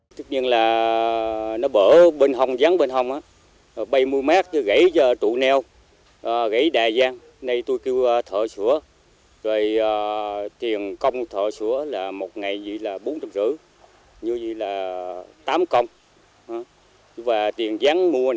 tất nhiên là nó bỡ bên hồng dán bên hồng bay mua mát gãy cho trụ neo gãy đà da